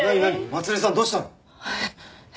まつりさんどうしたの？